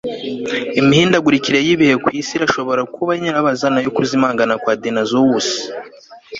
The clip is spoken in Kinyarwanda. Imihindagurikire yibihe ku isi irashobora kuba nyirabayazana yo kuzimangana kwa dinozawusi